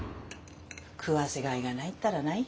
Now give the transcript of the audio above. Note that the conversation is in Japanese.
食わせがいがないったらないよ。